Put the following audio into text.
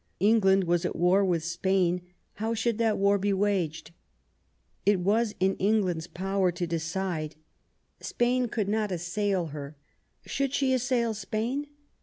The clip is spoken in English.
England was at war with Spain ; how should that war be waged ? It was in England's power to decide. Spain could not assail her; should she assail Spain